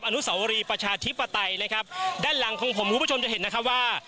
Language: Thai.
อนุสาวรีประชาธิปไตยนะครับด้านหลังของผมคุณผู้ชมจะเห็นนะครับว่า